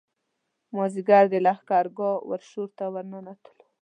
مازیګر د لښکرګاه ورشو ته ننوتلو.